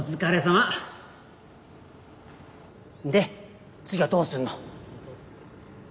んで次はどうすんの？